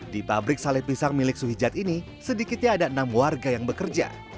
di pabrik saleh pisang milik suhijat ini sedikitnya ada enam warga yang bekerja